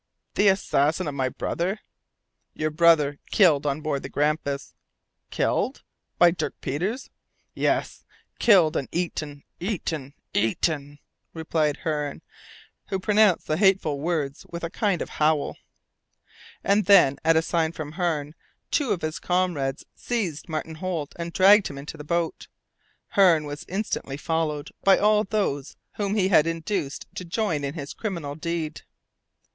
"The assassin of my brother!" "Your brother, killed on board the Grampus " "Killed! by Dirk Peters?" "Yes! Killed and eaten eaten eaten!" repeated Hearne, who pronounced the hateful words with a kind of howl. And then, at a sign from Hearne, two of his comrades seized Martin Holt and dragged him into the boat. Hearne was instantly followed by all those whom he had induced to join in this criminal deed.